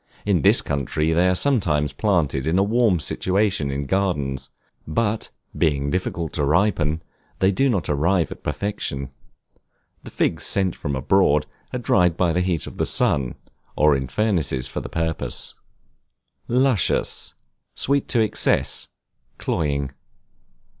In this country they are sometimes planted in a warm situation in gardens, but, being difficult to ripen, they do not arrive at perfection. The figs sent from abroad are dried by the heat of the sun, or in furnaces for the purpose. Luscious, sweet to excess, cloying.